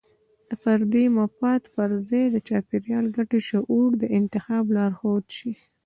د فردي مفاد پر ځای د چاپیریال ګټې شعور د انتخاب لارښود شي.